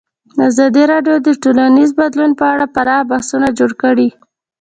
ازادي راډیو د ټولنیز بدلون په اړه پراخ بحثونه جوړ کړي.